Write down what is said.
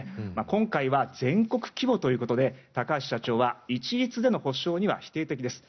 今回は全国規模ということで高橋社長は一律での補償には否定的です。